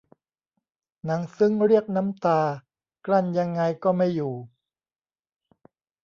หนังซึ้งเรียกน้ำตา กลั้นยังไงก็ไม่อยู่